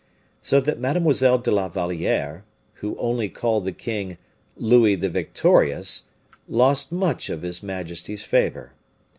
So that Mademoiselle de la Valliere, who only called the king Louis the Victorious, lost much of his majesty's favor.